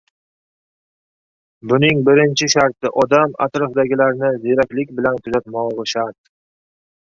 Buning birinchi sharti: odam atrofidagilarni ziyraklik bilan kuzatmog‘i shart